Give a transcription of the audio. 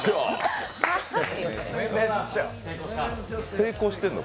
成功してんの？